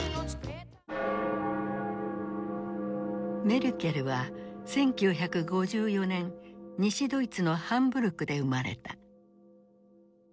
メルケルは１９５４年西ドイツのハンブルクで生まれた。